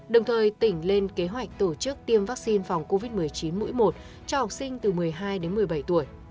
đồng thời tỉnh lên kế hoạch tổ chức tiêm vaccine phòng covid một mươi chín mũi một cho học sinh từ một mươi hai đến một mươi bảy tuổi